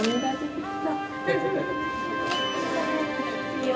いや。